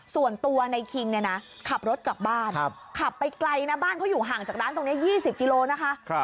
ส่วนตัวในคิงเนี่ยนะขับรถกลับบ้านขับไปไกลนะบ้านเขาอยู่ห่างจากร้านตรงนี้๒๐กิโลนะคะ